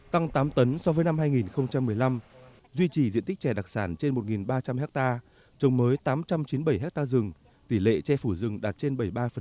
tăng tám tấn so với năm hai nghìn một mươi năm duy trì diện tích chè đặc sản trên một ba trăm linh hectare trồng mới tám trăm chín mươi bảy hectare rừng tỷ lệ che phủ rừng đạt trên bảy mươi ba